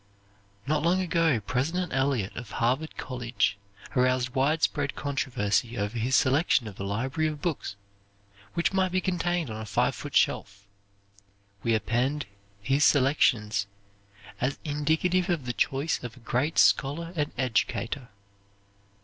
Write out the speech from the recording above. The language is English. Not long ago President Eliot of Harvard College aroused widespread controversy over his selection of a library of books, which might be contained on a five foot shelf. We append his selections as indicative of the choice of a great scholar and educator.